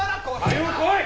早う来い！